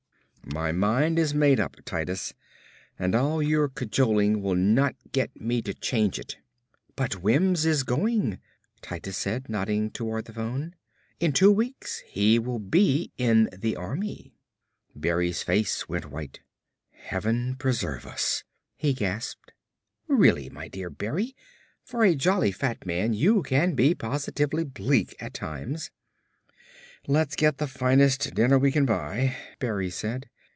"My mind is made up, Titus, and all your cajoling will not get me to change it." "But Wims is going," Titus said, nodding toward the phone. "In two weeks he will be in the Army." Berry's face went white. "Heaven preserve us," he gasped. "Really, my dear Berry, for a jolly, fat man you can be positively bleak at times." "Let's get the finest dinner we can buy," Berry said.